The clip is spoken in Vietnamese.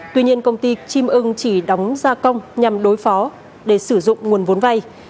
tuy nhiên công ty kim ưng chỉ đóng gia công nhằm đối phó để sử dụng nguồn vốn vay